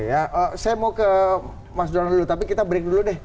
saya mau ke mas johan dulu tapi kita break dulu deh